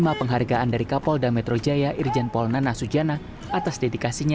laporkan apa yang diinginkan ya nanti saya fasilitasi ya